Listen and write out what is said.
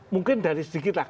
mungkin dari sedikit lah